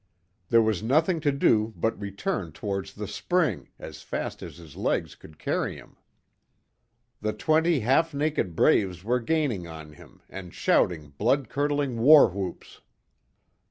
There was nothing to do but return towards the spring, as fast as his legs could carry him. The twenty half naked braves were gaining on him, and shouting blood curdling war whoops.